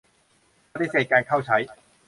ปฏิเสธการเข้าใช้.